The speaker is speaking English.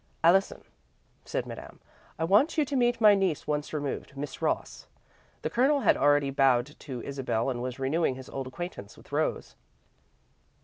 "Allison," said Madame, "I want you to meet my niece once removed Miss Ross." The Colonel had already bowed to Isabel and was renewing his old acquaintance with Rose.